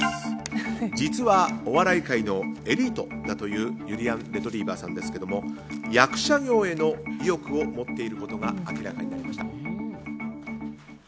実はお笑い界のエリートだというゆりやんレトリィバァさんですが役者業への意欲を持っていることが明らかになりました。